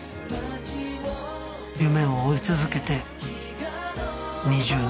夢を追い続けて２０年。